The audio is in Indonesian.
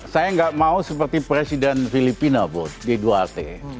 saya nggak mau seperti presiden filipina bos di dua t